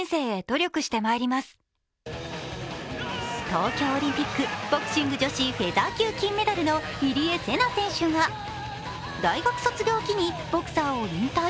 東京オリンピック・ボクシング女子フェザー級・金メダルの入江聖奈選手が、大学卒業を機にボクサーを引退。